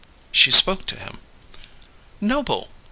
She spoke to him. "Noble!"